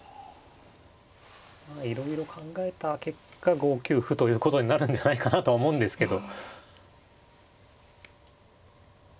まあいろいろ考えた結果５九歩ということになるんじゃないかなと思うんですけど。